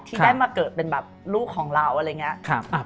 ที่ได้มาเกิดเป็นแบบลูกของเราอะไรอย่างนี้